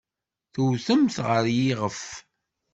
Tewtemt-t ɣer yiɣef.